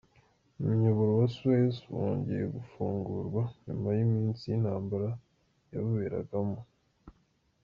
Umuyoboro wa Suez wongeye gufungurwa nyuma y’iminsi y’intambara yawuberagamo.